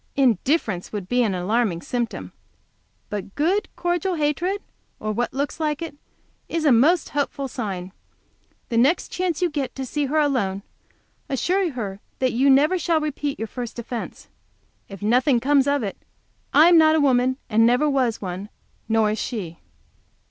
Indifference would be an alarming symptom, but good, cordial hatred, or what looks like it, is a most hopeful sign. The next chance you get to see her alone, assure her that you never shall repeat your first offence. If nothing comes of it I am not a woman, and never was one; nor is she.